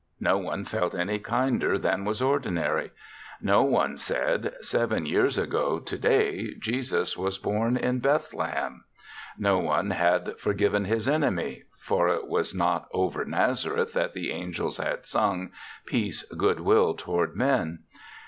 No one felt any kinder than was ordinary. No one said, " Seven years ago today Jesus was born in Bethlehem." No one had forgiven his enemy, for it was not over Nazareth that the angels 3 4 THE SEVENTH CHRISTMAS had sung " Peace, good will toward men."